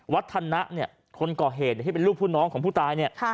วัฒนะเนี่ยคนก่อเหตุที่เป็นลูกผู้น้องของผู้ตายเนี่ย